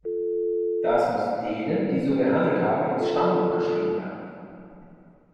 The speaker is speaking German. Das muss denen, die so gehandelt haben, ins Stammbuch geschrieben werden.